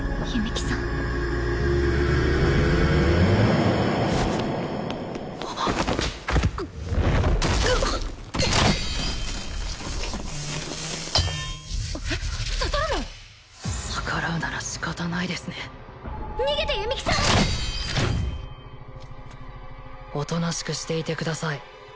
弓木さんおとなしくしていてください